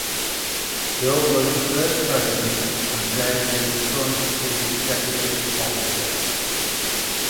Bill was the first president and Fred is the current chief executive officer.